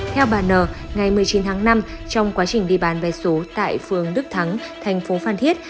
theo bà n ngày một mươi chín tháng năm trong quá trình đi bán vé số tại phường đức thắng thành phố phan thiết